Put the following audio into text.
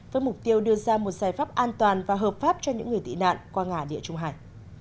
với mục tiêu đưa ra một giải pháp an toàn và hợp pháp cho những người tị nạn qua ngã địa trung hải